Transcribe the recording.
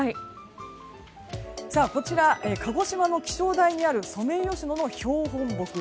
こちらは鹿児島の気象台にあるソメイヨシノの標本木。